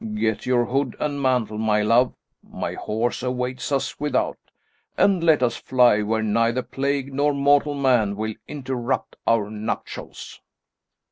Get your hood and mantle, my love my horse awaits us without and let us fly where neither plague nor mortal man will interrupt our nuptials!"